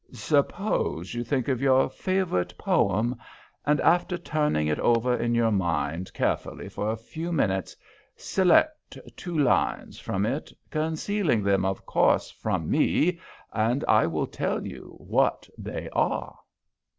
Suppose you think of your favorite poem, and after turning it over in your mind carefully for a few minutes, select two lines from it, concealing them, of course, from me, and I will tell you what they are."